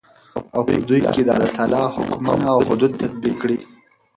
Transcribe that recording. او په دوى كې دالله تعالى حكمونه او حدود تطبيق كړي .